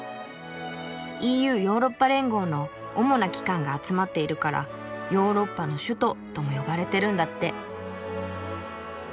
ＥＵヨーロッパ連合の主な機関が集まっているから「ヨーロッパの首都」とも呼ばれてるんだって。